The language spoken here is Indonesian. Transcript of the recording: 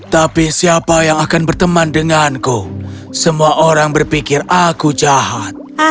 tapi siapa yang akan berteman denganku semua orang berpikir aku jahat